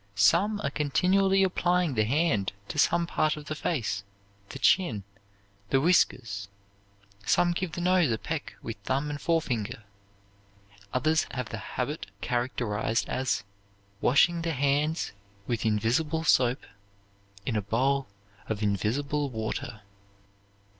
Some are continually applying the hand to some part of the face, the chin, the whiskers; some give the nose a peck with thumb and forefinger; others have the habit characterized as, "Washing the hands with invisible soap In a bowl of invisible water."